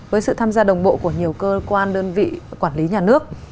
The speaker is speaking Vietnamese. với sự tham gia đồng bộ của nhiều cơ quan đơn vị quản lý nhà nước